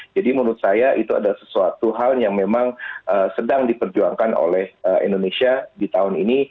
jadi menurut saya itu ada sesuatu hal yang memang sedang diperjuangkan oleh indonesia di tahun ini